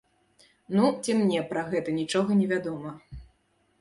Ну, ці мне пра гэта нічога не вядома.